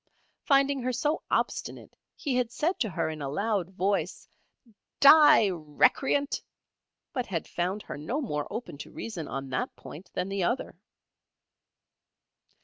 Finding her so obstinate he had said to her in a loud voice, "Die, recreant!" but had found her no more open to reason on that point than the other.